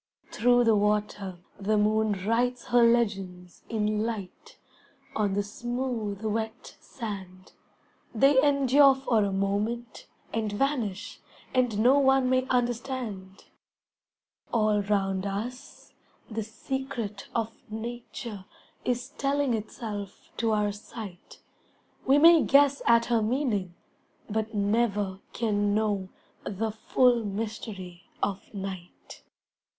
Through the water the moon writes her legends In light, on the smooth, wet sand; They endure for a moment, and vanish, And no one may understand. All round us the secret of Nature Is telling itself to our sight, We may guess at her meaning but never Can know the full mystery of night.